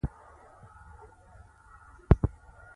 پانګونه د اقتصاد ماشین حرکت کوي.